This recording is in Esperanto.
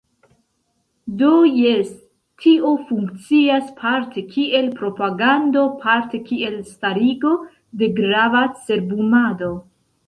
Do jes, tio funkcias parte kiel propagando, parte kiel starigo de grava cerbumado.